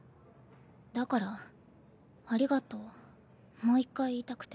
だから「ありがとう」もう一回言いたくて。